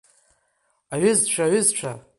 Аҩызцәа, аҩызцәа!